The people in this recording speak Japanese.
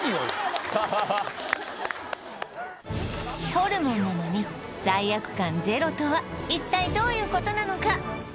ホルモンなのに罪悪感ゼロとは一体どういうことなのか？